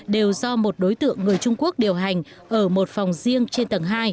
đều do một đối tượng người trung quốc điều hành ở một phòng riêng trên tầng hai